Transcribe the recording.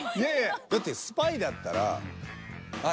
だってスパイだったらあっ